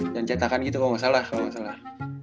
dan cetakan gitu kalo gak salah